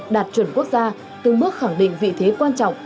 đạt chuẩn quốc gia từng bước khẳng định vị thế quan trọng